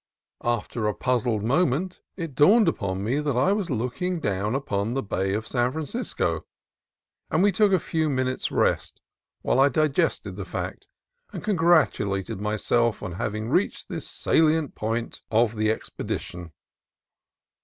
After a puzzled moment it dawned upon me that I was looking down upon the Bay of San Francisco, and we took a few minutes' rest while I digested the fact and congratulated myself on having reached this salient point of the expedition.